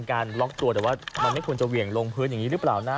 การล็อกตัวแต่ว่ามันไม่ควรจะเหวี่ยงลงพื้นอย่างนี้หรือเปล่านะ